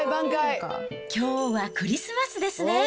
きょうはクリスマスですね。